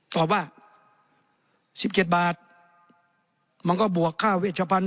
ตอบว่า๑๗บาทมันก็บวกค่าเวชพันธ